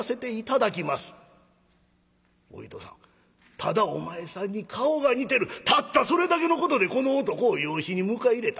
ただお前さんに顔が似てるたったそれだけのことでこの男を養子に迎え入れた。